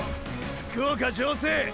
福岡城西！！